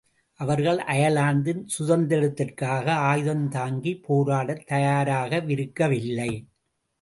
அவர்கள் அயர்லாந்தின் சுதந்திரத்திற்காக ஆயுத்ந் தாங்கிப் போராடத் தயாராகவிருக்கவில்லை.